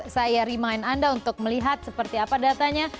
saya remind anda untuk melihat seperti apa datanya